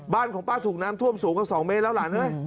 บ้านของป้าถูกน้ำท่วมสูงกว่า๒เมตรแล้วหลานเอ้ย